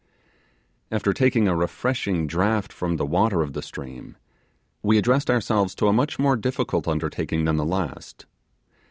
After taking a refreshing draught from the water of the stream, we addressed ourselves to a much more difficult undertaking than the last.